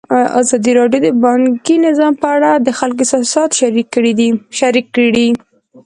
ازادي راډیو د بانکي نظام په اړه د خلکو احساسات شریک کړي.